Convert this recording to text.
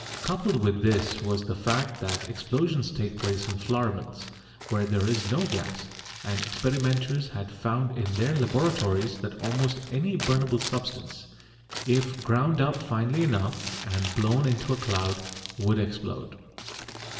Coupled with this was the fact that explosions take place in flour mills, where there is no gas, and experimenters had found in their laboratories that almost any burnable substance, if ground up finely enough and blown into a cloud, would explode.